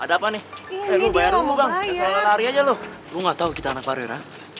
hai ada apa nih ini bayar dulu bang selalu lari aja lu lu nggak tahu kita anak parir